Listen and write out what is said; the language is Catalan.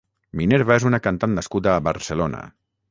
Minerva és una cantant nascuda a Barcelona.